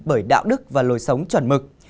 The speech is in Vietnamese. bởi đạo đức và lối sống chuẩn mực